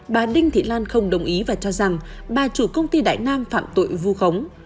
bà đinh thị lan không đồng ý và cho rằng